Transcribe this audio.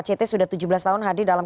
ct sudah tujuh belas tahun hadir dalam